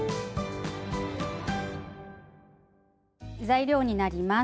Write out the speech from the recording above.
材料になります。